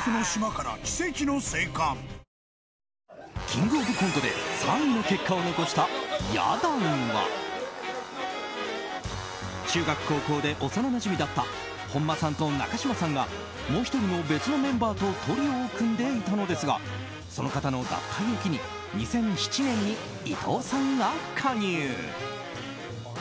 「キングオブコント」で３位の結果を残した、や団は中学・高校で幼なじみだった本間さんと中嶋さんがもう１人の別のメンバーとトリオを組んでいたのですがその方の脱退を機に２００７年に伊藤さんが加入。